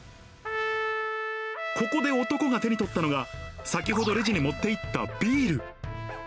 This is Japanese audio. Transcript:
ここで男が手に取ったのが、先ほどレジに持っていったビール。